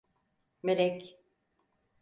Melek…